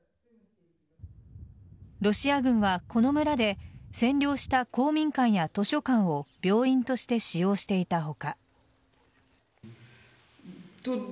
ロシア軍はこの村で占領した公民館や図書館を病院として使用していた他。